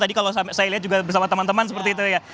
tadi kalau saya lihat juga bersama teman teman seperti itu ya